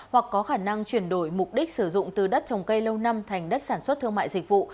hoặc có khả năng chuyển đổi mục đích sử dụng từ đất trồng cây lâu năm thành đất sản xuất thương mại dịch vụ